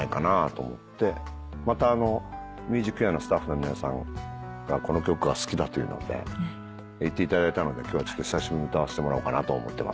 また『ＭＵＳＩＣＦＡＩＲ』のスタッフの皆さんがこの曲が好きだと言っていただいたので今日は久しぶりに歌わせてもらおうかなと思ってます。